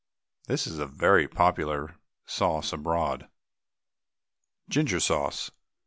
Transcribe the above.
This is a very popular sauce abroad. GINGER SAUCE.